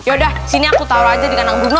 yaudah sini aku taruh aja di kanang duno